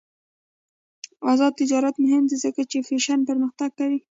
آزاد تجارت مهم دی ځکه چې فیشن پرمختګ کوي.